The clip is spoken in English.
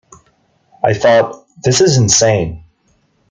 I thought, This is insane.